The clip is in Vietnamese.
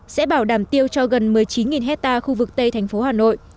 sẽ bảo đảm tiêu cho gần một mươi chín hectare khu vực tây thành phố hà nội